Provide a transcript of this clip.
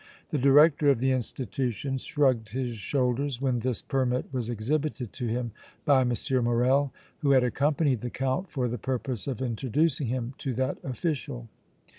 The director of the institution shrugged his shoulders when this permit was exhibited to him by M. Morrel, who had accompanied the Count for the purpose of introducing him to that official.